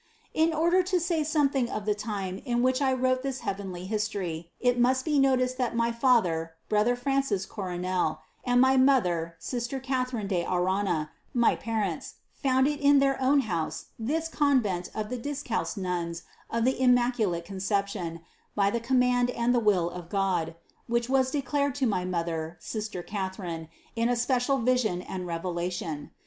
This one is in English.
19. In order to say something of the time in which I wrote this heavenly history, it must be noticed that my father, brother Francis Coronel, and my mother, sister Catharine de Arana, my parents, founded in their own house this convent of the discalced nuns of the Immacu late Conception by the command and the will of God, which was declared to my mother, sister Catharine, in a special vision and revelation.